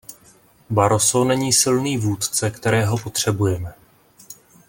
Barroso není silný vůdce, kterého potřebujeme.